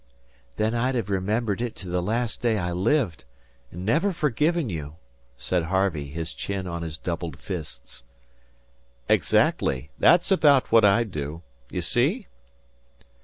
"Then I'd have remembered it to the last day I lived and never forgiven you," said Harvey, his chin on his doubled fists. "Exactly. That's about what I'd do. You see?"